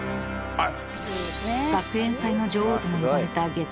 はい。